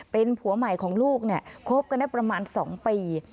เป็นผัวใหม่ของลูกเนี่ยคบกันได้ประมาณ๒ปี